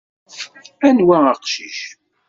Anwa aqcic?